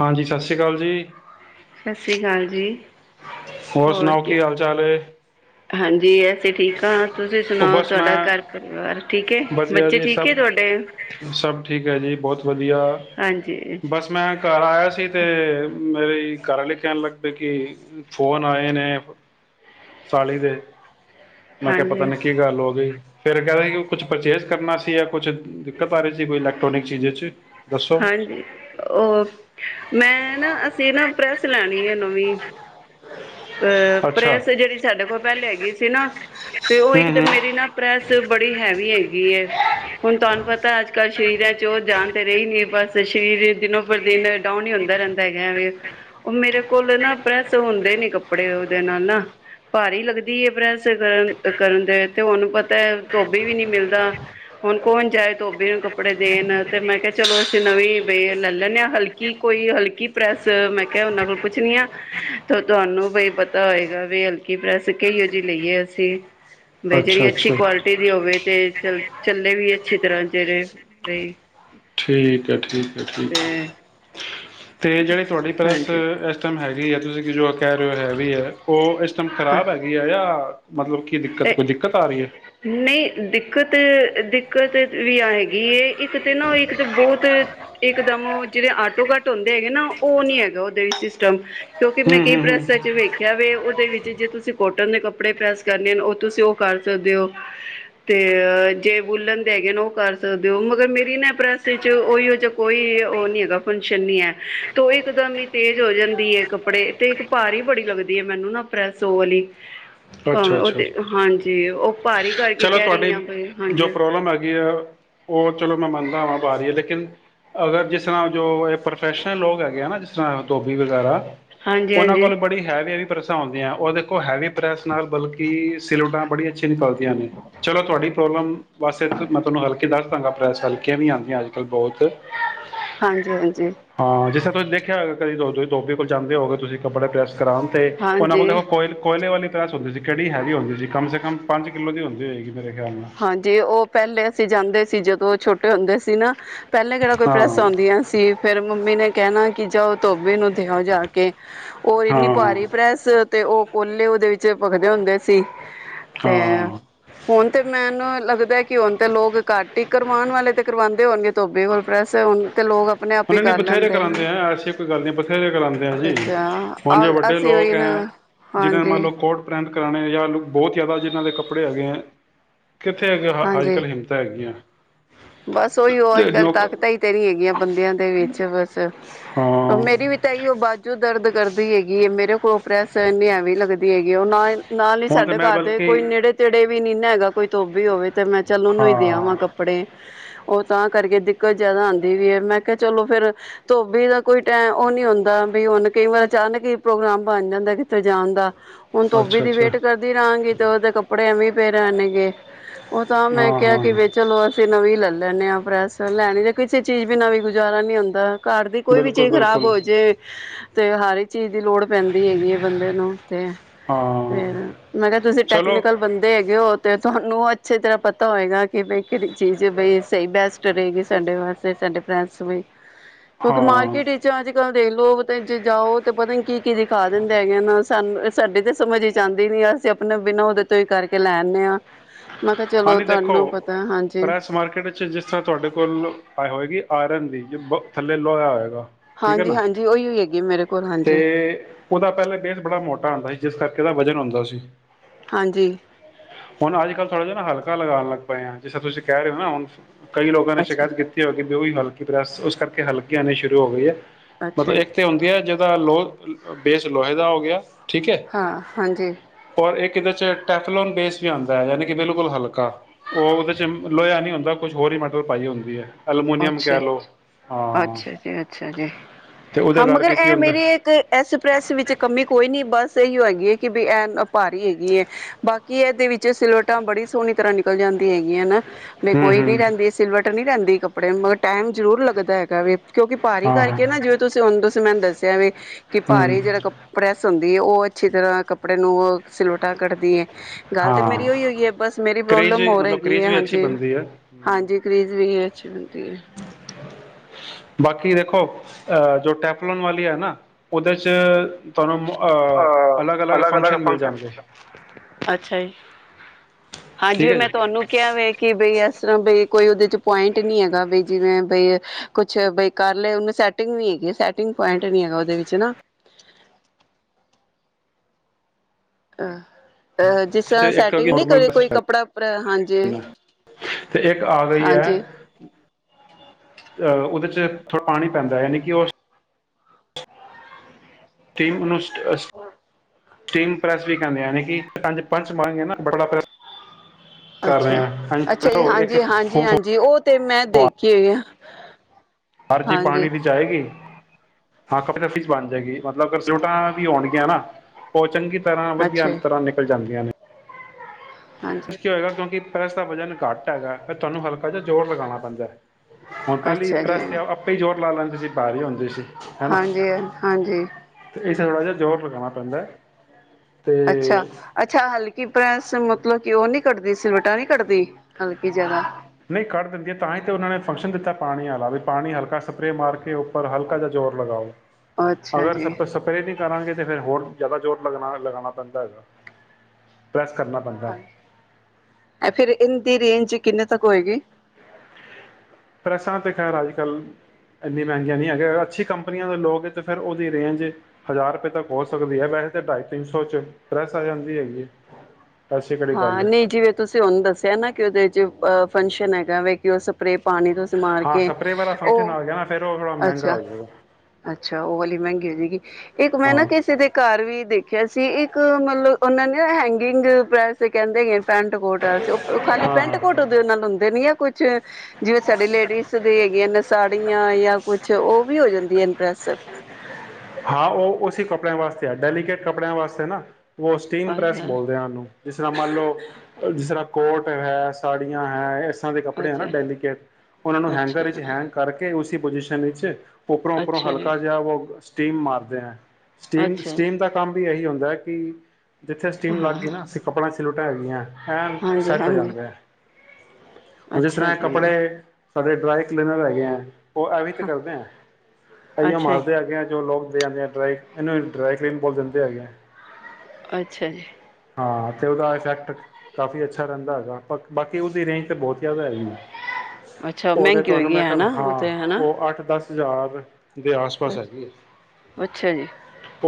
ਹਾਂਜੀ ਸਤਿ ਸ੍ਰੀ ਅਕਾਲ ਜੀ ਸਤ ਸ੍ਰੀ ਅਕਾਲ ਜੀ ਹੋਰ ਸੁਣਾਓ ਕਿ ਕੀ ਹਾਲ ਚਾਲ ਹੈ ਹਾਂਜੀ ਹੈ ਬ ਠੀਕ ਹ ਤੁਸੀਂ ਉਹ ਸੁਣਾਓ ਬਸ ਤੁਹਾਡਾ ਮੈਂ ਘਰ ਪਰਿਵਾਰ ਠੀਕ ਹੈ ਵਧੀਆ ਬੱਚੇ ਜੀ ਠੀਕ ਸਭ ਤੁਹਾਡੇ ਸਭ ਠੀਕ ਹੈ ਜੀ ਬਹੁਤ ਵਧੀਆ ਹਾਂਜੀ ਬਸ ਮੈਂ ਘਰ ਆਇਆ ਸੀ ਅਤੇ ਮੇਰੇ ਘਰੇ ਕਹਿਣ ਲੱਗ ਬਾਕੀ ਫੋਨ ਆਏ ਨੇ ਸਾਲੀ ਦੇ ਮੈਂ ਕਿਹਾ ਪਤਾ ਹਾਂਜੀ ਨੀ ਕੀ ਗੱਲ ਹੋ, ਗਈ ਫੇਰ ਕਹਿਣ ਲਗੇ ਕੁੱਛ ਪਰਚੇਜ ਕਰਨਾ ਸੀ ਜਾਂ ਕੁੱਛ ਦਿੱਕਤ ਆ ਰਹੀ ਸੀ ਕੋਈ ਇਲੈਕ੍ਰੋਨਿਕ ਚੀਜ਼ ਚ ਦੱਸੋ ਹਾਂਜੀ, ਉਹ ਮੈਂ ਨਾ ਅਸੀਂ ਨਾ ਪ੍ਰੈਸ ਲੈਣੀ ਹੈ ਨਵੀਂ। ਅਹ ਅੱਛਾ ਪ੍ਰੈਸ ਜਿਹੜੀ ਸਾਡੇ ਕੋਲ ਪਹਿਲੇ ਹੈਗੀ ਸੀ ਨਾ ਤੇ ਉਹ ਇੱਕ ਹੂੰ ਤਾਂ ਹੂੰ ਮੇਰੀ ਨਾ ਪ੍ਰੈਸ ਬੜੀ ਹੈਵੀ ਹੈਗੀ ਹੈ। ਹੁਣ ਤੁਹਾਨੂੰ ਪਤਾ ਅੱਜ ਕੱਲ੍ਹ ਸਰੀਰਾਂ ਚ ਉਹ ਜਾਣ ਤਾਂ ਰਹੀ ਨਹੀਂ। ਬਸ ਸਰੀਰ ਦਿਨੋ ਪਰ ਦਿਨ ਡਾਊਨ ਹੀ ਹੁੰਦਾ ਰਹਿੰਦਾ ਹੈਗਾ ਵੀ ਉਹ ਮੇਰੇ ਕੋਲ ਨਾ ਪ੍ਰੈਸ ਹੁੰਦੇ ਨੀ ਕੱਪੜੇ ਉਹਦੇ ਨਾਲ ਨਾ ਭਾਰੀ ਲੱਗਦੀ ਹੈ ਪ੍ਰੈਸ ਕਰਨ ਕਰਨ ਦੇ ਤੇ ਉਹਨੂੰ ਪਤਾ ਹੈ ਧੋਬੀ ਵੀ ਨੀ ਮਿਲਦਾ ਹੁਣ, ਕੌਣ ਜਾਏ ਧੋਬੀ ਨੂੰ ਕੱਪੜੇ ਦੇਣ ਤੇ ਮੈਂ ਕਿਹਾ ਚਲੋ ਨਵੀਂ ਹੀ ਪਈ ਏ, ਲੈ ਲੈਂਦੇ ਹ ਹਲਕੀ ਕੋਈ ਹਲਕੀ ਪ੍ਰੈਸ, ਮੈਂ ਕਿਹਾ ਉਹਨਾਂ ਕੋਲ ਪੁੱਛ ਨੀ ਆ ਤੇ ਤੁਹਾਨੂੰ ਬਈ ਪਤਾ ਹੋਏਗਾ ਵੀ ਹਲਕੀ ਪ੍ਰੈਸ ਕਈਓ ਜਿਹੀ ਲਈਏ ਅਸੀਂ। ਬ ਅੱਛਾ ਜਿਹੜੀ ਅੱਛੀ ਅੱਛਾ ਕੁਆਲਿਟੀ ਦੀ ਹੋਵੇ ਤੇ ਚੱਲ ਚੱਲੇ ਵੀ ਅੱਛੀ ਤਰ੍ਹਾਂ ਜਿਹੜੇ ਲਈ ਠੀਕ ਹੈ ਠੀਕ [unintelligible] ਤੇ ਜਿਹੜੀ ਤੁਹਾਡੀ ਪ੍ਰੈਸ ਹਾਂਜੀ ਇਸ ਟਾਈਮ ਹੈ [unintelligible] ਤੁਸੀਂ ਜੋ ਕਹਿ ਰਹੇ ਹੋ ਹੈਵੀ ਹੈ ਉਹ ਹਾਂ ਖ਼ਰਾਬ ਹੈਗੀ ਆ ਯਾ ਮਤਲਬ ਕੀ ਦਿੱਕਤ, ਕੋਈ ਇਹ ਦਿੱਕਤ ਆ ਰਹੀ ਹੈ? ਨਹੀਂ ਦਿੱਕਤ ਦਿੱਕਤ ਵੀ ਆ ਹੈਗੀ ਇੱਕ ਤੇ ਨਾ ਇੱਕ ਤਾਂ ਬਹੁਤ ਇਕ ਦਮ ਜਿਹੜੇ ਆਟੋ ਘੱਟ ਹੁੰਦੇ ਹੈਗੇ ਨਾ ਉਹ ਨੀ ਹੈਗਾ ਦੇ ਵੀ ਸਿਸਟਮ। ਕਿਉਂਕਿ ਮੈਂ ਹੂੰ ਕੀ ਹੂੰ ਪ੍ਰੈਸ ਹੂੰ ਚ ਵੇਖਿਆ ਵੇ ਦੇ ਵਿੱਚ ਜੇ ਤੁਸੀਂ ਕੋਟਨ ਦੇ ਕੱਪੜੇ ਪ੍ਰੈਸ ਕਰ ਲੇ ਉਹ ਤੁਸੀਂ ਉਹ ਕਰ ਸਕਦੇ ਹੋ ਤੇ ਜੇ ਬੁਲਨ ਦੇ ਹੈਗੇ ਨ ਉਹ ਕਰ ਸਕਦੇ ਹੋ, ਮਗਰ ਮੇਰੀ ਨਾ ਪ੍ਰੈਸ ਵਿਚ ਉਓਹੀ ਜਹਾ ਕੋਈ ਉਹ ਨੀ ਹੈਗਾ ਫੰਕਸ਼ਨ ਨੀ ਹੈ ਤੇ ਇੱਕਦਮ ਹੀ ਤੇਜ਼ ਹੋ ਜਾਂਦੀ ਹੈ ਕੱਪੜੇ ਤੇ ਇੱਕ ਭਾਰੀ ਹੀ ਬੜੀ ਲੱਗਦੀ ਹੈ ਮੈਨੂੰ ਨਾ ਪ੍ਰੈਸੋ ਓ ਵਾਲੀ। ਭਾਵੇਂ ਉਹ ਅੱਛਾ-ਅੱਛਾ। ਤੇ ਹਾਂਜੀ ਉਹ ਭਾਰੀ ਕਰਕੇ ਚਲੋ ਕਹਿ ਰਹੀ ਆ ਤੁਹਾਡੀ ਬਈ ਜੋ ਹਾਂਜੀ ਪ੍ਰੋਬਲਮ ਹੈਗੀ ਆ ਉਹ ਚਲੋ ਮੈਂ ਮੰਨਦਾ ਵਾਂ ਬਾਰੀ ਏ ਲੇਕਿਨ ਅਗਰ ਜਿਸਰ੍ਹਾਂ ਜੋ ਪ੍ਰੋਫੈਸ਼ਨਲ ਲੋਕ ਹੈਗੇ ਆ ਨਾ ਜਿਸ ਤਰ੍ਹਾਂ ਧੋਬੀ ਵਗੈਰਾ ਹਾਂਜੀ ਉਹਨਾਂ ਹਾਂਜੀ ਕੋਲ ਬੜੀ ਹੈਵੀ ਹੈਵੀ ਪ੍ਰੈਸਾਂ ਹੁੰਦੀਆਂ ਉਹਦੇ ਕੋਲ ਹੈਵੀ ਪ੍ਰੈੱਸ ਨਾਲ ਬਲਕਿ ਸਿਲਵਟਾ ਬੜੀ ਅੱਛੀ ਨਿਕਲਦੀਆਂ ਨੇ, ਚਲੋ ਤੁਹਾਡੀ ਪ੍ਰੋਬਲਮ ਵਾਸੇ ਮੈਂ ਤੁਹਾਨੂੰ ਹਲਕੇ ਦੱਸ ਦਾਂਗਾ ਪ੍ਰੈੱਸ ਹਲਕੀਆਂ ਵੀ ਆਂਦੀਆਂ ਅੱਜ ਕੱਲ੍ਹ ਬਹੁਤ। ਹਾਂਜੀ-ਹਾਂਜੀ। ਹਾਂ ਜਿਸ ਤਰ੍ਹਾਂ ਤੁਸੀਂ ਦੇਖਿਆ ਹੋ ਕਦੇੋ [unintelligible] ਦੋਬੀ ਕੋਲ ਜਾਂਦੇ ਹੋਗੇ ਤੁਸੀਂ ਕੱਪੜੇ ਪ੍ਰੈਸ ਕਰਉਣ ਤੇ ਉਹਨਾਂ ਕੋਲ ਹਾਂਜੀ ਦੇਖੋ ਕੋਇਲ-ਕੋਇਲੇ ਵਾਲੀ ਪ੍ਰੈਸ ਹੁੰਦੀ ਸੀ, ਕਿਹੜੀ ਹੈਵੀ ਹੁੰਦੀ ਸੀ ਕਮ ਸੇ ਕਮ ਪੰਜ ਕਿੱਲੋ ਦੀ ਹੁੰਦੀ ਹੋਏਗੀ। ਮੇਰੇ ਖਿਆਲ ਨਾਲ ਹਾਂਜੀ ਉਹ ਪਹਿਲੇ ਅਸੀਂ ਜਾਂਦੇ ਸੀ ਜਦੋਂ ਛੋਟੇ ਹੁੰਦੇ ਸੀ ਨਾ ਪਹਿਲੇ ਕਿਹੜਾ ਕੋਈ ਪ੍ਰੈਸ ਹਾਂ ਆਉਂਦੀ ਸੀ ਫੇਿਰ ਮੰਮੀ ਨੇ ਕਹਿਣਾ ਕਿ ਜਾ ਧੋਬੀ ਨੂੰ ਦਿਓ ਜਾ ਕੇ ਉਹ ਇੰਨੀ ਹਾਂ ਭਾਰੀ ਪ੍ਰੈਸ ਤੇ ਉਹ ਕੋਲੇ ਉਹਦੇ ਵਿੱਚ ਭਖਦੇ ਹੁੰਦੇ ਸੀ ਤੇ ਹਾਂ ਹੁਣ ਮੈਨੂੰ ਲੱਗਦਾ ਕਿ ਹੁਣ ਤਾਂ ਲੋਕ ਘੱਟ ਹੀ ਕਰਵਾਉਣ ਵਾਲੇ ਤੇ ਕਰਵਾਉਂਦੇ ਹੋਣਗੇ ਧੋਬੇ ਹੋਲ ਪ੍ਰੈਸ ਹੁਣ ਤੇ ਲੋਕ ਆਪਣੇ ਆਪ ਹੀ ਉਹੁਣੀ ਕਰ ਬਥੇਰੇ ਲੈਂਦੇ ਹੈਗੇ ਕਰਾਉਂਦੇ ਆ ਐਸੀ ਕੋਈ ਗੱਲ ਨ ਬਥੇਰੇ ਕਰਾਉਂਦੇ ਆ ਜੀ ਅੱਛਾ, ਹੁਣ ਜੇ ਅ ਵੱਡੇ ਅਸੀਂ ਉਹੀ ਲੋਕ ਨਾ ਹੈਂ ਜਿਹਨਾਂੇ ਮੰਨ ਹਾਂਜੀ, ਲਓ ਕੋਟ ਪਰੈਂਤ ਕਰਾਣੇ ਜਾਂ ਬਹੁਤ ਜ਼ਿਆਦਾ ਜਿਨਾਂ ਦੇ ਕੱਪੜੇ ਹੈਗੇ ਹੈ ਕਿੱਥੇ ਹੈਗੇ ਹ ਅੱਜ ਹਾਂਜੀ। ਕੱਲ੍ਹ ਹਿੰਮਤਾਂ ਹੈਗੀਆਂ ਬਸ ਉਹੀ ਉਹ ਅੱਜ ਅਤੇ ਕੱਲ ਨੌਕ ਤਾਕਤਾਂ ਹੀ ਤੇਰੀ ਹੈਗੀਆਂ ਬੰਦਿਆਂ ਦੇ ਵਿੱਚ ਬਸ ਹਾਂ ਮੇਰੀ ਵੀ ਤਾਂਈ ਉਹ ਬਾਜੂ ਦਰਦ ਕਰਦੀ ਹੈਗੀ ਹੈ ਮੇਰੇਲ ਕੋ ਪ੍ਰੈਸਨੀ ਐਵੇਂ ਲੱਗਦੀ ਹੈਗੀ ਉਹਨਾਂ ਨਾਲ ਹੀ ਹੁਣ ਤਾਂ ਸਾਡੇ ਮੈਂ ਘਰ ਦੇ ਬਲਕਿ ਕੋਈ ਨੇੜੇ ਤੇੜੇ ਵੀ ਨੀ ਨਾ ਹੈਗਾ ਕੋਈ ਧੋਭੀ ਹੋਵੇ ਅਤੇ ਮੈਂ ਚੱਲ ਉਹਨੂੰ ਹੀ ਹਾਂ ਦਿਆਵਾਂ ਕੱਪੜੇ ਉਹ ਤਾਂ ਕਰਕੇ ਦਿੱਕਤ ਜਿਆਦਾ ਆਉਂਦੀ ਵੀ ਹੈ ਮੈਂ ਕਿਹਾ ਚਲੋ ਫੇਿਰ ਧੋਬੀ ਦਾ ਕੋਈ ਟ ਉਹ ਨੀ ਹੁੰਦਾ ਵੀ ਹੁਣ ਕਈ ਵਾਰ ਅਚਾਨਨਕ ਪ੍ਰੋਗਰਾਮ ਬਣ ਜਾਂਦਾ ਕਿੱਥੇ ਜਾਣ ਦਾ ਹੁਣ ਧੋਭੀ ਅੱਛਾ ਦੀ ਅੱਛਾ ਵੇਟ ਕਰਦੀ ਰਹਾਂਗੀ ਤੇ ਉਹਦੇ ਕੱਪੜੇ ਐਵੇਂ ਫਰਾ ਅਨਾਂ ਕੇ ਉਹ ਤਾਂ ਮੈਂ ਹਾਂ ਕਿਹਾ ਕਿ ਹਾਂ ਬ ਚਲੋ ਵੀ ਲੈ ਲੈਂਦੇ ਹਾਂ ਸੋ ਲੈ ਦੇ ਕੁਈ ਚੀਜ਼ ਬਿ ਨੀਂ ਗੁਜ਼ਾਰਾ ਨਹੀਂ ਹੁੰਦਾ ਘਰ ਦੀ ਕੋਈ ਵੀ ਬਿਲਕੁਲ ਚੀਜ਼ ਖਰਾਬ ਬਿਲਕੁਲ ਹੋ ਜਾੇ ਤੇ ਹਰ ਇੱਕ ਚੀਜ਼ ਦੀ ਲੋੜ ਪੈਂਦੀ ਹੈਗੀ ਹੈ ਬੰਦੇ ਨੂੰ ਤੇ ਹਾਂ ਫਰ ਮੈਂ ਕਿਹਾ ਤੁਸੀਂ ਚਲੋ ਟੈਕਨੀਕਲ ਬੰਦੇ ਹੈਗੇ ਹੋ ਤੇ ਤੁਹਾਨੂੰ ਅੱਛੀ ਤਰ੍ਹਾਂ ਪਤਾ ਹੋਏਗਾ ਕਿ ਕਿਹੜੀ ਚੀਜ਼ ਬਈ ਸਹੀ ਬੈਸਟਹੇਗੀ ਸਾਡੇ ਵਾਸਤੇ ਸਾਡੇ ਫਰੈਸ ਬ ਵਿੱਚ ਕਿਉਂਕਿ ਹਾਂ ਮਾਰਕੀਟ ਵਿੱਚ ਅੱਜ ਕੱਲ ਦੇ ਲੋਕ ਤੇ ਜੇ ਜਾਓ ਤੇ ਪਤਾ ਨੀ ਕੀ ਕਿਦੀ ਖਾ ਦਿੰਦੇ ਹੈਗੇ ਨਾ ਸਾਨੂੰ ਸਾਡੀ ਤਾਂ ਸਮਝ ਹੀ ਚਾਹਦੀ ਨ ਆ ਅਸੀਂ ਆਪਣੇ ਬਿਨਾਂ ਉਹਦੇ ਤੋਂ ਹੀ ਕਰਕੇ ਲੈਦੇ ਹਾਂ ਮ ਚਲੋ ਤ ਅ ਪਤਾ ਹਾਂਜੀ ਪਰ ਇਸ ਮਾਰਕੀਟ ਚ ਜਿਸ ਤਰ੍ਹਾਂ ਤੁਹਾਡੇ ਕੋਲ ਆਈ ਹੋਏਗੀ ਆਈਰਨ ਦੀੇ ਬ ਥੱਲੇ ਲੋੋਇਆ ਹੋਏਗਾ। ਠੀਕ ਹੈ ਹਾਂਜੀ ਨਾ ਹਾਂਜੀ ਉਹੀਓ ਹੈਗੀ ਮੇਰੇ ਕੋਲ ਤੇ ਹਾਂਜੀ ਉਹਦਾ ਪਹਿਲਾ ਬੇਸ ਬੜਾ ਮੋਟਾ ਹੁੰਦਾ ਸੀ, ਜਿਸ ਕਰਕੇ ਇਹਦਾ ਵਜਨ ਹੁੰਦਾ ਸੀ। ਹਾਂਜੀ, ਹੁਣ ਅੱਜ ਕੱਲ੍ਹ ਥੋੜ੍ਹਾ ਨਾ ਹਲਕਾ ਲਗਾਉਣ ਲੱਗ ਪਏ ਆ ਜਿਸ ਤਰ ਤੁਸੀਂ ਕਹਿ ਰਹੇ ਹੋ ਨਾ ਹੁਣ ਕਈ ਲੋਕਾਂ ਨੇ ਅੱਛਾ ਸ਼ਿਕਾਇਤ ਕੀਤੀ ਹੋਵੇ ਕਿ ਔ ਵੀ ਹਲਕੇ, ਕਿ ਪ੍ਰੈੱਸ ਉਸ ਕਰਕੇ ਹਲਕੇ ਆਉਣੀ ਸ਼ੁਰੂ ਹੋ ਗਈ ਹੈ। ਮਤਲਬ ਅੱਛਾ ਜੀ ਇੱਕ ਤੇ ਹੁੰਦੀ ਹੈ ਜਦੋਂ, ਲੋਹ ਬੇਸ ਲੋਹੇ ਦਾ ਹੋ ਗਿਆ। ਹਾਂ ਹਾਂਜੀ, ਐਦੇ ਚ ਟੈਟਲੋ ਬੈਸ ਵੀ ਆਦਾ ਹੈਗਾ ਨੀ, ਬਿਲਕੁਲ ਹਲਕਾ ਉਹ ਉਹਦੇ ਚ ਲੋਇਆ ਨਹੀਂ ਹੁੰਦਾ ਕੁਛ ਹੋਰ ਹੀ ਮੈਟਲ ਪਾਈ ਹੁੰਦੀ ਹੈ। ਐਲੂਮੀਨੀਅਮ ਕਹਿ ਅੱਛਾ ਲਓ ਹਾਂ ਅੱਛਾ ਜੀ ਅੱਛਾ ਜੀ ਤੇ ਉਹਦੇ ਹਾਂ ਮਗਰ ਕਰਕੇ ਕੀ ਇਹ ਹੁੰਦਾ ਮੇਰੀ ਇੱਕ ਐਸ ਪ੍ਰੈਸ ਵਿੱਚ ਕਮੀ ਕੋਈ ਨੀ ਬਸ ਸਹੀ ਹੋਗੀ ਹੈ ਕਿ ਵੀ ਐਨ ਭਾਰੀ ਹੈਗੀ ਹੈ ਬਾਕੀ ਕੀ ਇਹਦੇ ਵਿੱਚ ਸਿਲਵਰਟਾਂ ਬੜੀ ਸੋਹਣੀ ਤਰ੍ਹਾਂ ਨਿਕਲ ਜਾਂਦੀ ਹੈਗੀਆਂ ਨਾ ਮੈਂ ਹੂੰ ਕੋਈ ਨੀ ਹੂੰ ਰਹਿੰਦੀ ਸਿਲਵਰਟ ਨ ਰਹਿੰਦੀ, ਕੱਪੜਿਆਂ ਨੁੰ ਟਾਈਮ ਜ਼ਰੂਰ ਲੱਗਦਾ ਹੈਗਾ ਵੇ, ਕਿਉਂਕਿ ਭਾਰੀ ਹਾਂ ਹਾਂ ਕਰਕੇ ਨਾ ਜਿਵੇਂ ਤੁਸੀਂ ਹੁਣ ਤੁਸੀਂ ਮੈਨੂੰ ਦੱਸਿਆ ਵ ਕਿ ਹੂੰ ਭਾਰੀ ਜਿਹੜਾ ਕ ਪ੍ਰੈਸ ਹੁੰ ਉਹ ਅੱਛੀ ਤਰ੍ਹਾਂ ਕੱਪੜੇ ਨੂੰ ਸਿਲਵ ਕੱਦੀ ਹੈ ਗੱਲ ਤੇ ਮੇਰੀ ਉਹੀ ਹਾਂ ਹੋਈ ਹੈ ਬਸ ਮੇਰੀ ਕਰੇਜ ਪ੍ਰੋਬਲਮ ਵੀ ਹੋਰ ਮਤਲਬ ਹੈਗੀ ਕਰੇਜ ਹੈ ਵੀ ਅੱਛੀ ਹਾਂਜੀ ਬਣਦੀ ਹੈ ਹਾਂਜੀ ਖੀਜ਼ ਵੀ ਹੈ। ਚਲ, ਤੇ, ਬਾਕੀ ਦੇਖੋ ਅਹ ਜੋ ਟੈਫਲੋਨ ਵਾਲੀ ਹੈ ਨਾ ਉਹਦੇ ਚ ਤੁਹਾਨੂੰ ਅ ਆ ਅਲੱਗ ਅਲੱਗ ਅਲਗ ਅਲਗ ਫੰਕਸ਼ਨ ਮਿਲ ਜਾਣਗੇ ਫਕਸ਼ਨ, ਅੱਛਾ ਜੀ ਠੀਕ ਹਾਂਜੀ ਹੈ ਮੈਂ ਜੀ ਤੁਹਾਨੂੰ ਕਿਹਾ ਵ ਕਿ ਵੀ ਇਸ ਤਰਾ ਵੀ ਕੋਈ ਉਦੀ ਪੁਇੰਟ ਨੀ ਹੈਗਾ ਬ ਜਿਵੇਂ ਬ ਕੁਛ ਬ ਕਰ ਲ ਨ ਸੈਟਿੰਗ ਨੀ ਹੈਗੀ ਸਟਿੰਗ ਪੁਇੰਟ ਨੀ ਹੈਗਾ ਓਦੇ ਵਿਚ ਨਾ-' ਆਹ, ਅਹ ਜਿਸ ਤਰ੍ਹਾਂ ਇੱਕ ਸੈਟਿੰਗ ਨੀ ਨੋਰਮਲ ਕਰੇ ਕੋਈ ਕੱਪੜਾ ਉਪ ਹਾਂਜੀ ਤੇ ਇੱਕ ਆ ਗਈ ਹੈ ਹਾਂਜੀ ਥੋੜਾ ਪਾਣੀ ਪੈਂਦਾ ਯਾਨੀ ਕਿ ਉਹ ਟੀਮ ਅਨੁਸ ਅਸ [unintelligible] ਟੀਮ ਪ੍ਰੈਸ ਵੀ ਕਹਿੰਦੇ ਯ ਕਿ ਪੰਜ ਪੰਚ ਮ ਨਾ ਬੜਾ ਪ੍ਰੈ ਅੱਛਾ ਅੱਛਾ ਜੀ ਇੱਕ ਹਾਂਜੀ ਹਾਂਜੀ ਫੁ- ਹਾਂਜੀ ਉਹ ਤੇ ਮੈਂ ਦੇਖੀ ਹੋਈ ਆ। ਹਰਜੀੀ ਹਾਂਜੀ ਪਾਣੀ ਦੀ ਚਏਗੀ ਹਾਂ ਕੱਪੜ ਸ਼ੱੀਜ਼ ਬਣ ਜਾਏਗੀ ਮਤਲਬਰ ਸੂਟਾਂ ਵੀ ਆਉਣਗੀਆਂ ਨਾ ਉਹ ਚੰਗੀ ਤਰ੍ਹਾਂ ਵਧੀਆ ਅੱਛਾ ਇਸ ਜੀ ਤਰ੍ਹਾਂ ਨਿਕਲ ਜਾਂਦੀਆਂ ਨੇ ਕੁ ਹਾਂਜੀ [unintelligible] ਕੀ ਹੋਏਗਾ ਕਿਉਂਕਿ ਪੈਸ ਦਾ ਵਜਨ ਘੱਟ ਹੈਗਾ ਫਿਰ ਤੁਹਾਨੂੰ ਹਲ ਜੋੋਰ ਲਗਾਉਣਾ ਪੈਂਦਾ ਐ ਹੁਣ ਪਹਿਲੀ ਅੱਛਾ ਜੀ ਪ੍ਰੈਸ ਤੇ ਆਪੇ ਹੀ ਜੋੋਰ ਲਾ ਲੈਂਦੇ ਸੀ ਭਾਰੀ ਹੁੰਦੇ ਸੀ ਹਾਂਜੀ ਹਾਂਜੀ ਇਹ [unintelligible] ਜੋਰ ਲਗਾਨਾ ਪੈਂਦਾ ਐ ਅੱਛਾ ਅੱਛਾ ਹਲਕੀ ਪ੍ਰੈਸ ਕਿ ਉਹ ਨੀ ਕੱਢਦੀ ਸਿਮਟਾਂ ਨੀ ਕੱਢਦੀ ਹਲਕੀ ਜ਼ਿਆਦਾ ਨਹੀਂ ਕੱਢ ਦਿੰਦੀਆਂ ਤਾਂ ਹੀ ਤੇ ਉਹਨਾਂ ਨੇ ਫੰਕਸ਼ਨ ਦਿੱਤਾ [inaudible] ਪਾਣੀ ਵਾਲਾ ਵੀ ਪਾਣੀ ਹਲਕਾ ਸਪਰੇ ਮਾਰ ਕੇ ਉੱਪਰ ਹਲਕਾ ਅੱਛਾ ਅਗਰ ਜੀ ਸਪ ਸਪਰੇ ਨੀ ਕਰਾਂਗੇ ਤੇ ਫੇਿਰ ਹੋਰ ਜ਼ਿਆਦਾ ਜ਼ੋਰ ਲਗਣਾ ਲਗਾਉਣਾ ਪੈਂਦਾ ਹੈਗਾ ਪ੍ਰੈਸ ਕਰਨਾ ਪੈਂਦਾ ਹਾਂਜੀ ਫੇਿਰ ਇੰਦੀ ਰੇਂਜ ਕਿੰਨੇ ਤੱਕ ਹੋਏਗੀ ਪ੍ਰੈਸਾਂ ਤਾਂ ਖੈਰ ਅੱਜ ਕੱਲ੍ਹ ਐਸੀ ਕਿਹੜੀ ਗੱਲ ਹਾਂ ਹੈ ਨਹੀਂ ਜਿਵੇਂ ਤੁਸੀਂ ਹੁਣ ਫੰਕਸ਼ਨ ਹੈਗਾ ਵੇ ਕਿ ਉਹ ਸਪਰੇ ਪਾਣੀ ਤੋਂ ਮਾਰ ਹਾਂ ਕੇ ਸਪਰੇ ਵਾਲਾ ਫੰਕਸ਼ਨ ਆ ਗਿਆ ਨਾ ਫਿਰ ਉਹ ਥੋੜ੍ਹਾ ਮਹਿੰਗਾ ਅੱਛਾ ਹੋ ਜਾਵੇਗਾ ਗ ਸੀਗੀ [unintelligible] ਇੱਕ ਮੈਂ ਨਾ ਹਾਂ ਕਿਸੇ ਦੇ ਘਰ ਵੀ ਦੇ ਦੇਖਿਆ ਸੀ ਇੱਕ ਹਾਂ ਪੈਂਟ ਹਾਂ ਕੁਛ ਜਿਵੇਂ ਸਾਡੇ ਲੇਡੀਜ਼ ਦੀ ਹੈਗੀਆਂ ਨੇ ਸਾੜੀਆਂ ਯਾਂ ਚ ਉਹ ਵੀ ਹੋ ਜਾਂਦੀ ਹੈ ਹਾਂ ਉਹ ਉਸੀ ਕੱਪੜਿਆਂ ਵਾਸਤੇ ਆ ਡੈਲੀਕੇਟ ਕੱਪੜਿਆਂ ਵਾਸਤੇ ਨਾ ਉਹ ਸਟੀਮ ਪ੍ਰੈੱਸ ਅੱਛਾ ਬੋਲਦੇ ਹੈ ਉਹਨੂੰ ਜਿਸ ਤਰ੍ਹਾਂ ਮੰਨ ਲਓ ਜਿਸ ਤਰ੍ਹਾਂ ਕੋਟ ਹੈ ਸਾੜੀਆਂ ਹੈ ਇਸ ਅਥਾਂ ਦੇ ਕੱਪੜੇ ਹੈ ਨਾ ਅੱਛਾ ਡੈਲੀਕਕੇਟ ਉਹਨਾਂ ਨੂੰ ਹੈਂਗਰ ਅੱਛਾ ਵਿੱਚ ਹੈਂਗ ਕਰਕੇ ਉਸ ਪ ਪੁਜ਼ਿਸ਼ਨ ਵਿੱਚ ਓਪਰੋਂ ਉਪਰੋਂ ਅੱਛਾ ਜੀ ਹਲਕਾ ਜਿ ਵ ਸਟੀਮ ਮਾਰਦੇ ਹੈ ਸਟੀਮ ਅੱਛਾ ਜੀ। ਸਟੀਮ ਦਾ ਕੰਮ ਵੀ ਇਹੀ ਹੁੰਦਾ ਹੈ [inaudible] ਜਿੱਥੇ ਸਟੀਮ ਲੱਗ ਹਾਂ, ਗਈ ਨਾ ਅਸੀ ਕੱਪੜੇ ਥ ਲੁਟ ਗ ਹਾਂ ਹੈ ਸੈਟ ਹੋ ਹਾਂਜੀ-ਹਾਂਜੀ, ਜਾਂਦੇ ਹ ਜਿਸ ਅੱਛਾ ਤਰ੍ਹਾਂ ਜੀ। ਕੱਪੜੇ ਸਾਡੇ ਡਰਾਈ ਕਲੀਨਰ ਹੈਗੇ ਆ ਉਹ ਐ ਵੀ ਤੇ ਕਰਦੇ ਹੈ ਅਈਆਂ ਅੱਛਾ ਜੀ, ਮਾਰਦੇ ਅਗੇ ਆ ਜੋ ਲੋਕ ਜਾਂ ਡਰਾ ਇਹਨੂੰ ਡਰਾਈ ਕਲੀਨ ਬੋਲ ਦਿੰਦੇ ਹੈਗੇ ਅੱਛਾ ਜੀ ਹਾਂ ਅਤੇ ਉਹਦਾ ਇਫੈਕਟ ਕਾਫੀ ਅੱਛਾ ਰਹਿੰਦਾ ਹੈਗਾ ਬਾਕੀ ਉਹਦੀ ਰੇਂਜ ਤਾਂ ਬਹੁਤ ਜ਼ਿਆਦਾ ਹੈਗੀ ਆ ਅੱਛਾ ਮਹਿੰਗੀ ਹੋਏਗੀ ਹਨਾ ਉਹ ਤੇ ਹੈਾ ਹਜਾਰ ਅੱਛਾ ਜੀ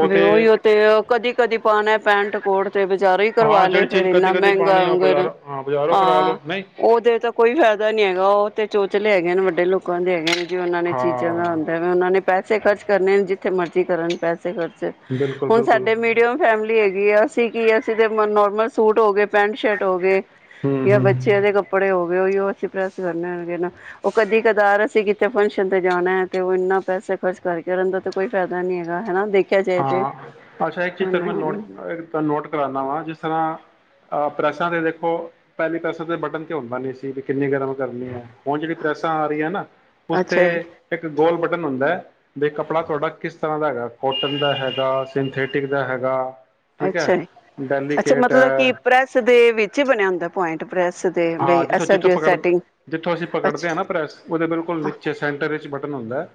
ਵੀ ਓਹੀ ਉਹ ਤੇ ਕਦੀ ਕਦੀ ਪਾਣਾ ਪੈਂਟ ਕੋਟ ਤੇ ਬਜ਼ਾਰੋਂ ਹੀ ਹਾਂ ਕਰਵਾ ਲਏ ਜਿਹੜੀ ਫੇਰ ਚੀਜ਼ ਕਦੇ ਇਨਾ ਕਦੇ ਮਹਿੰਗਾ ਪਾਣੀ ਆ ਬਾਜ਼ਾਰੋਂ ਹਾਂ ਬਾਜ਼ਾਰੋਂ ਕਰਾ ਹਾਂ ਲਓ ਨਹੀਂ ਉਹਦੇ ਤਾਂ ਕੋਈ ਫਾਇਦਾ ਨੀ ਹੈਗਾ ਉਹ ਤੇ ਚੋਚਲੇ ਹੈਗੇ ਨੇ ਵੱਡੇ ਲੋਕਾਂ ਦੇ ਹੈਗੇ ਨੇ ੇ ਉਹਨਾਂ ਨੇ ਚੀਜ਼ਾਂ ਦਾ ਹਾਂ ਆਉਂਦਾ ਉਹਨਾਂ ਨੇ ਪਸੇ ਖਰਚੇ ਜਿੱਥੇ ਮਰਜ਼ੀ ਕਰਨ ਪਸੇ ਖਰਚ ਬਿਲਕੁਲ ਹੁਣ ਬਿਲਕੁਲ ਸਾਡੇ ਮੀਡੀਅਮ ਫੈਮਿਲੀ ਹੈਗੀ ਆ ਸੀਗੀ ਅਸੀਂ ਤੇ ਨੋਰਮਲ ਸੂਟ ਹੋ ਗਏ ਪੈਂਟ ਸ਼ਰਟ ਹੋ ਗਏ ਹੂੰ ਜਾਂ ਹੂੰ ਬੱਚਿਆਂ ਦੇ ਕੱਪੜੇ ਹੋ ਗਏ ਉਹ ਅਸੀਂ ਪ੍ਰੈਸ ਕਰਨੇਗੇ ਉਹ ਕਦੀ ਕਦਾਰ ਅਸੀਂ ਕਿਥੇ ਫੰਕਸ਼ਨ ਤੇ ਜਾਣਾ ਤੇ ਉਹ ਇਨਾ ਪੈਸੇ ਖਰਚ ਕਰਕੇ ਉਹਨਾਂ ਦਾ ਤਾਂ ਕੋਈ ਫਾਇਦਾ ਨੀ ਹੈਗਾ ਹੈਾ ਦੇਖ ਹਾਂ ਅੱਛਾ ਇੱਕ ਚੀਜ਼ ਮੈਂ ਨੋ ਨੋਟ ਕਰਾਉਂਦਾ ਵਾਂ ਜਿਸ ਤਰ੍ਹਾਂ ਅ ਪ੍ਰੈਸਾਂ ਤੇ ਦੇੋ ਪਹਿਲੀ ਤਾਂਸ ਦੇ ਬਟਨ ਤੇ ਹੁੰਦਾ ਨੀ ਸੀ ਵੀ ਕਿੰਨੀ ਗਰਮ ਕਰਨੀ ਹੈ ਹੁਣ ਜਿਹੜੀ ਪ੍ਰੈਸਾਂ ਆ ਰਹੀ ਹੈ ਨਾ ਉਸੇ ਜੀ ਇੱਕ ਗੋਲ ਬਟਨ ਹੁੰਦਾ ਹੈ ਤੇ ਕੱਪੜਾ ਤੁਹਾਡਾ ਕਿਸ ਤਰ੍ਹਾਂ ਦਾ ਹੈਗਾ ਕੋਟ ਕਾਟਨ ਦਾ ਹੈਗਾ ਸਿੰਥੈਟਿਕ ਦਾ ਹੈਗਾ ਠੀਕ ਹੈ ਅੱਛਾ ਜੀ ਅੱਛਾ ਡੈਲੀਕੇਟ ਮਤਲਬ ਕਿ ਹੈ ਪ੍ਰੈਸ ਦੇ ਵਿੱਚ ਬਣਿਆ ਜਾਂਦਾ ਪੁਆਇੰਟ ਪ੍ਰੈਸ ਦੇ ਬਈ ਹਾਂ ਜਿੱਥੋਂ ਐਸਾ ਜਿੱਥੋਂ ਜੋ ਪਕੜ ਸੈਟਿੰਗ ਜਿੱਥੋਂ ਅਸੀਂ ਪਕੜਦੇ ਹਾਂ ਨਾ ਅੱਛਾ ਪ੍ਰੈਸ ਉਹਦੇ ਬਿਲਕੁਲ ਨੀਚੇ ਸੈਂਟਰ ਵਿੱਚ ਬਟਨ ਹੁੰਦਾ ਹੈ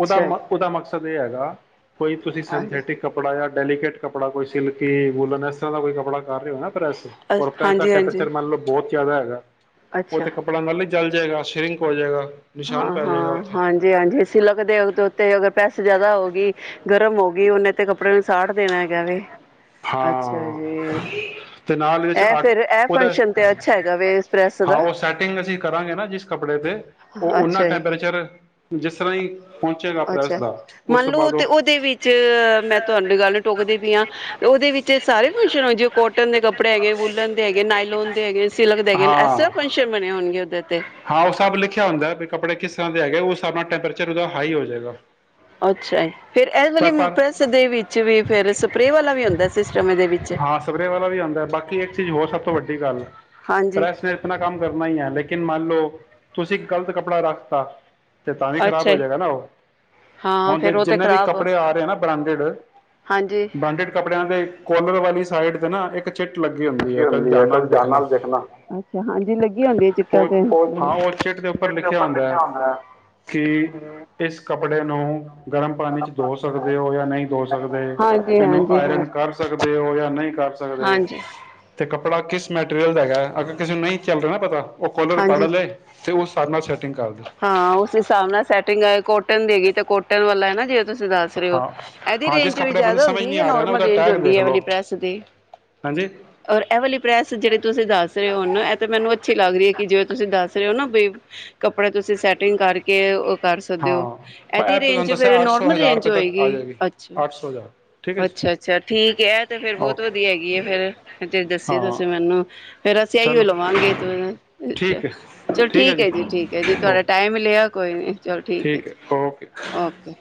ਉਹਦਾ ਜੀ ਉਹਦਾ ਮਕਸਦ ਹੈਗਾ ਕੋਈ ਤੁਸੀਂ ਸਿੰਥੈਟਿਕ ਕੱਪੜਾ ਜਾਂ ਡੈਲੀਕੇਟ ਕੱਪੜਾ ਕੋਈ ਸਿਲਕੀ ਵੂਲਨ ਇਸ ਤਰ੍ਹਾਂ ਦਾ ਕੋਈ ਕੱਪੜਾ ਕਰ ਰਹੇ ਹੋ ਨਾ ਪ੍ਰੈ ਔਰ ਪ੍ਰੈਸ ਦਾ ਹਾਂਜੀ ਹਾਂਜੀ ਟੈਂਪਰੇਚਰ ਮੰਨਓ ਬਹੁਤ ਕਿਆਦਾ ਹੈਗਾ ਉਹ ਅੱਛਾ ਤੇ ਕੱਪੜਾ ਲ ਲਈ ਚਲ ਜਾਏਗਾ ਸਿਰਿੰਕ ਹੋ ਜਾਏਗਾ ਨਿਸ਼ਾਨ ਹਾਂ ਪੈ ਜਾਏਗਾ ਹਾਂ ਉੱਥੇ ਹਾਂਜੀ ਹਾਂਜੀ ਸ਼ਿਲਕ ਦੇਓਗ ਦੇ ਉੱਤੇ ਅਗਰ ਪੈਸੇ ਜ਼ਿਆਦਾ ਹੋ ਗਈ ਗਰਮ ਹੋ ਗਈ ਉਹਨੇ ਤੇ ਕੱਪੜੇ ਨੂੰ ਸਾਟ ਦੇਣਾ ਹੈਗਾ ਵ ਅੱਛਾ ਹਾਂ ਜੀ ਤੇ ਨਾਲ ਇਹਦੇ ਚ ਇਹ ਆਟ ਫਿਰ ਇਹ ਉਹਦਾ ਫੰਕਸ਼ਨ ਤੇ ਅੱਛਾ ਹੈਗਾ ਵ ਇਸ ਪ੍ਰੈਸ ਹਾਂ ਦਾ ਉਹ ਸੈਟਿੰਗ ਅਸੀਂ ਕਰਾਂਗੇ ਨਾ ਜਿਸ ਕੱਪੜੇ ਤੇ ਉਹ ਉਹਨਾਂ ਅੱਛਾ ਜੀ ਟੈਂਪਰੇਚਰ ਜਿਸ ਤਰ੍ਹਾਂ ਹੀ ਪਹੁੰਚੇਗਾ ਅਪ੍ਰੈਲ ਅੱਛਾ ਦਾ ਉਸ ਮੰਨ ਤੋਂ ਲਓ ਬਾਅਦ ਤੇ ਉਹ ਉਹਦੇ ਵਿੱਚ ਮੈਂ ਤੁਹਾਡੀ ਗੱਲ ਨੂੰ ਟੋਕਦੀ ਪ ਹਾਂ ਉਹਦੇ ਵਿੱਚ ਇਹ ਸਾਰੇ ਫੰਕਸ਼ਨ ਹੋ ਜਿ ਕੋਟਨ ਦੇ ਕੱਪੜੇ ਹੈਗੇ ਵੁਲਨ ਦੇ ਹੈਗੇ ਨਾਈਲੋਨ ਦੇ ਹੈਗੇ ਨੇ ਸਿਲਕ ਦੇ ਹੈਗੇ ਨੇ ਸ ਫੰਕਸ਼ਨ ਬਣੇ ਹੋਣਗੇ ਉਹਦੇ ਤੇ ਹਾਂ ਉਹ ਸਭ ਲਿਖਿਆ ਹੁੰਦਾ ਵੀ ਕੱਪੜੇ ਕਿਸ ਤਰ੍ਹਾਂ ਦੇ ਹੈਗੇ ਉਹ ਉਸ ਹਿਸਾਬ ਨਾਲ ਟੈਂਪਰੇਚਰ ਉਹਦਾ ਹਾਈ ਹੋ ਜਾਏਗਾ ਅੱਛਾ ਜ ਪਰ ਫਿਰ ਸਪਰੇਅ ਵਾਲਾ ਵੀ ਹੁੰਦਾ ਸਿਸਟਮ ਇਹਦੇ ਵਿੱਚ ਹਾਂ ਸਪਰੇਅ ਵਾਲਾ ਵੀ ਆਉਂਦਾ ਬਾਕੀ ਇੱਕ ਚੀਜ਼ ਹੋਰ ਸਭ ਤੋਂ ਵੱਡੀ ਗੱਲ ਹਾਂਜੀ ਪ੍ਰੈਸ ਨੇ ਇਤਨਾ ਕੰਮ ਕਰਨਾ ਹੀ ਹੈ ਲੇਕਿਨ ਮੰਨ ਲਓ ਤੁਸੀਂ ਗ਼ਲਤ ਕੱਪੜਾ ਰੱਖਤਾ ਤੇ ਤਾਂ ਵੀ ਖ਼ਰਾਬ ਅੱਛਾ ਹੋ ਜੀ ਜਾਏਗਾ ਨਾ ਉਹ ਹਾਂ ਹੁਣ ਜੇ ਫੇਰ ਉਹ ਤੇ ਜਿੰਨਾਂ ਦੀ ਕੱ ਖ਼ਰਾਬ ਕੱਪੜੇ ਆ ਰਹੇ ਨਾ ਬ੍ਰਾਂਡਡ ਹਾਂਜੀ ਬ੍ਰਾਂਡਿਡ ਕੱਪੜਿਆਂ ਦੇ ਕੋਲਰ ਵਾਲੀ ਸਾਈਡ ਤੇ ਨਾ ਇਕ ਚਿੱ ਟ ਲੱਗੀ ਹੁੰਦੀ ਹੈ ਕਦੇ ਜਾਨ ਨਾਲ ਦੇਖਣਾ ਅੱਛਾ ਹਾਂਜੀ ਲੱਗੀ ਹੁੰਦੀ ਚਿੱਟਾਂ ਉਹ ਤੇ ਹਾਂ ਉਹ ਚਿੱਟ ਦੇ ਉੱਪਰ ਲਿਖਿਆ ਹੁੰਦਾ ਹੈ ਕਿ ਇਸ ਕੱਪੜੇ ਨੂੰ ਗਰਮ ਪਾਣੀ ਚ ਦੋ ਸਕਦੇ ਹੋ ਜਾਂ ਨਹੀਂ ਦੋ ਸਕਦੇ ਹਾਂਜੀ ਇਹਨੂੰ ਹਾਂਜੀ ਹਾਂਜੀ ਆਇਰਨ ਕਰ ਸਕਦੇ ਹੋ ਜਾਂ ਨਹੀਂ ਕਰ ਸਕਦੇ ਹਾਂਜੀ ਤੇ ਕੱੜੇ ਬੜਾ ਕਿਸ ਮੈਟੀਰੀਅਲ ਦਾ ਹੈਗਾ ਅਗਰ ਕਿਸੇ ਨੂੰ ਨਹੀਂ ਚੱਲ ਰਿਹਾ ਨਾ ਪਤਾ ਉਹ ਖੋਲਰ ਪੜ੍ਹ ਹਾਂਜੀ ਲ ਹੈ ਤੇ ਉਸ ਕਰਨਾ ਹਾਂ ਉਸ ਹਿਸਾਬ ਨਾਲ ਸੈਟਿੰਗ ਕੋਟ ਟ ਦੀ ਗਗੀ ਤੇ ਕੋਟਨ ਵਾਲਾਾ ਜੇ ਤੁਸੀਂ ਦੱਸ ਰਹੇ ਹੋ ਹਾਂ ਇਹਦੀ ਹਾਂ ਜਿਸ ਰੇਂਜ ਵੀ ਕੱਪੜੇ ਮਤਲਬ ਜ਼ਿਆਦਾ ਸਮਝ ਹੁੰਦੀ ਹੈ ਨਹੀਂ ਜਾਂ ਆ ਰਿਹਾ ਨਾ ਨੋਰਮਲ ਉਹਦਾ ਰੇਂਜ ਟੈਗ ਹੁੰਦੀ ਦੇਖ ਹੈ ਲਓ ਐਵਲੀਪ੍ਰੈਸ ਦੀ ਹਾਂਜੀ ਔਰ ਐਵਲੀਪ੍ਰੈਸ ਜਿਹੜੀ ਤੁਸੀਂ ਦੱਸ ਰਹੇ ਹੋ ਨਾ ਇਹ ਤਾਂ ਮੈਨੂੰ ਅੱਛੀ ਲੱਗਦੀ ਹੈ ਕਿ ਜਿਵੇਂ ਤੁਸੀਂ ਦੱਸ ਰਹੇ ਹੋ ਨਾ [inaudible] ਕੱਪੜੇ ਤੁਸੀਂ ਸੈਟਿੰਗ ਕਰਕੇ ਕਰ ਸਕਦੇ ਹਾਂ ਹੋ ਮੈਂ ਇਹਦੀ ਇਹ ਤਾਂ ਤੁਹਾਨੂੰ ਰੇਂਜ ਫੇਿਰ ਦੱਸਿਆ ਅੱਠ ਸੌ ਨੋਰਮਲ ਹਜ਼ਾਰ ਰੇਂਜ ਰੁਪਏ ਤੱਕ ਹੋਏਗੀ ਆ ਜਾਏਗੀ ਅੱਛਾ ਅੱਠ ਸੌ ਹਜ਼ਾਰ ਠੀਕ ਹੈ ਜੀ ਅੱਛਾ ਅੱਛਾ ਠੀਕ ਹੈ ਤੇ ਫੇਰ ਬਹੁਤ ਵਧੀਆ ਹੈਗੀ ਆ ਓਕੇ ਫੇਰ ਜ ਦੱਸੇ ਹਾਂ ਤੁਸੀਂ ਮੈਨੂੰ ਫਿਰ ਅਸੀਂ ਇਹੀਓ ਚਲੋ ਲਵਾਂਗੇ ਠੀਕ ਹੈ ਚਲੋ ਠੀਕ ਹੈ ਜੀ ਠੀਕ ਹੈ ਜੀ ਤੁਹਾਡਾ ਓਕੇ ਟਾਈਮ ਲਿਆ ਕੋਈ ਨਹੀਂ ਚਲੋ ਠੀਕ ਹੈ ਜੀ ਓਕੇ